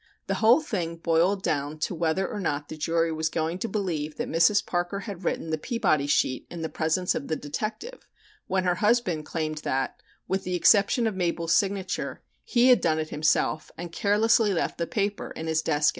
The whole thing boiled down to whether or not the jury was going to believe that Mrs. Parker had written "the Peabody sheet" in the presence of the detective, when her husband claimed that, with the exception of Mabel's signature, he had done it himself and carelessly left the paper in his desk in the room.